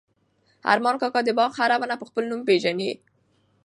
ارمان کاکا د باغ هره ونه په خپل نوم پېژني.